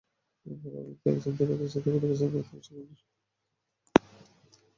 ফলে অবিন্তা একজন দৃঢ়চেতা, কঠোর পরিশ্রমী, আত্মবিশ্বাসী এবং সমাজ-সচেতন মানুষ হতে পেরেছিলেন।